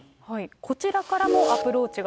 こちらからもアプローチが。